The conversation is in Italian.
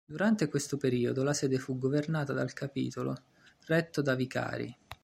Durante questo periodo la sede fu governata dal capitolo, retto da vicari.